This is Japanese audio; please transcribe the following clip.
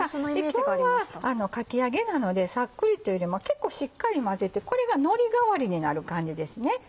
今日はかき揚げなのでサックリというよりも結構しっかり混ぜてこれがのり代わりになる感じですね。